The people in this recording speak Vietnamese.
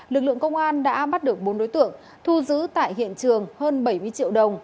lực lượng công an đã bắt được bốn đối tượng thu giữ tại hiện trường hơn bảy mươi triệu đồng